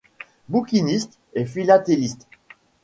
Bouquiniste et philatéliste.